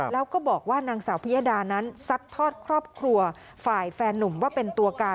แล้วก็บอกว่านางสาวพิยดานั้นซัดทอดครอบครัวฝ่ายแฟนนุ่มว่าเป็นตัวการ